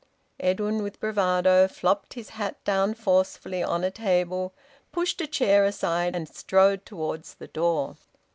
Edwin with bravado flopped his hat down forcefully on a table, pushed a chair aside, and strode towards the door.